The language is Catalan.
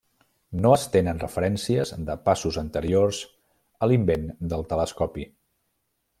No es tenen referències de passos anteriors a l'invent del telescopi.